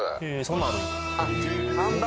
そんなんあるん？